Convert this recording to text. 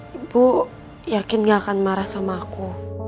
ibu yakin gak akan marah sama aku